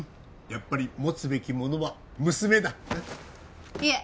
やっぱり持つべきものは娘だいえ